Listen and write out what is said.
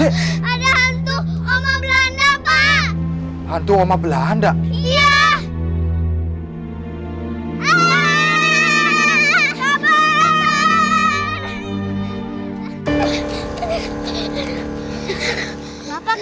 ada hantu oma belanda pak